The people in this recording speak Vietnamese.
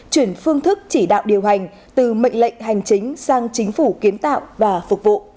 chuyển phương thức chỉ đạo điều hành từ mệnh lệnh hành chính sang chính phủ kiến tạo và phục vụ